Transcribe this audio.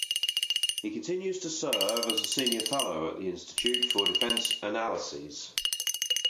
He continues to serve as a Senior Fellow at the Institute for Defense Analyses.